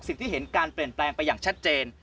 เห็นการเปลี่ยนแปลงไปอย่างชัดเจน